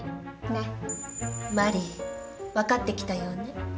マリー分かってきたようね。